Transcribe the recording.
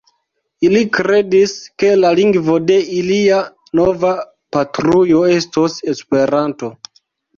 Ili kredis, ke la lingvo de ilia nova patrujo estos Esperanto.